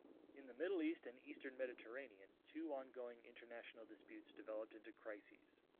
In the Middle East and eastern Mediterranean, two ongoing international disputes developed into crises.